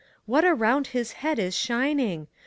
What around his head is shining?